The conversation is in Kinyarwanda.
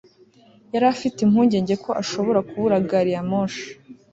Yari afite impungenge ko ashobora kubura gari ya moshi